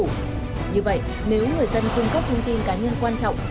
như vậy nếu người dân cung cấp thông tin cá nhân quan trọng